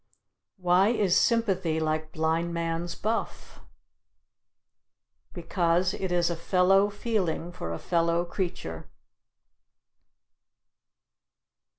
Why is sympathy like blindman's buff? Because it is a fellow feeling for a fellow creature.